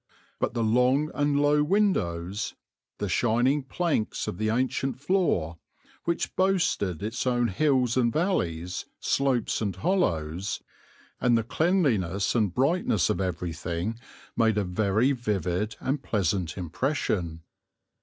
But the long and low windows, the shining planks of the ancient floor, which boasted its own hills and valleys, slopes and hollows, and the cleanliness and brightness of everything made a very vivid and pleasant impression.